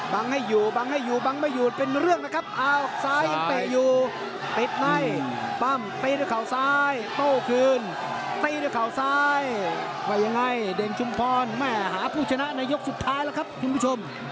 ว่ายังไงเดรนชุมพรไม่หาผู้ชนะในยกสุดท้ายแล้วครับคุณผู้ชม